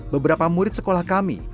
beberapa murid sekolah kami